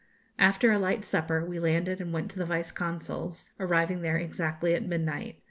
After a light supper, we landed and went to the Vice Consul's arriving there exactly at midnight.